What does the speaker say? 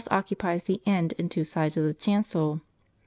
occupies the end and two sides of the chancel.